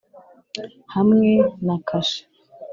hamwe na kashe